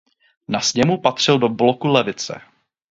Na sněmu patřil do bloku levice.